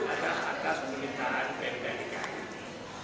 adalah atas permintaan pemba dki ini